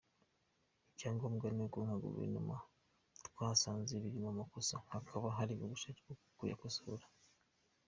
Icyangombwa ni uko nka guverinoma twasanze birimo amakosa hakaba hari ubushake bwo kuyakosora”.